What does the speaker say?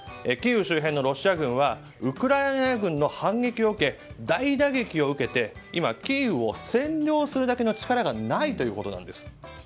キーウ周辺のロシア軍はウクライナ軍の反撃を受け大打撃を受けて、今キーウを占領するだけの力がないということなんです。